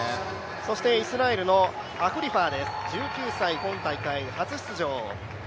そしてイスラエルのアフリファー、１９歳、今大会初出場。